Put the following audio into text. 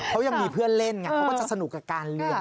เขายังมีเพื่อนเล่นไงเขาก็จะสนุกกับการเรียน